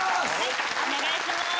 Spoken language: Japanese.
お願いします！